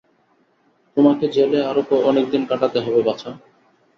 তোমাকে জেলে আরও অনেকদিন কাটাতে হবে, বাছা।